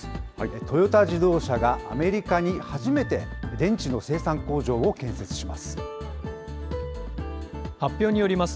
トヨタ自動車がアメリカに初めて電池の生産工場を建設します。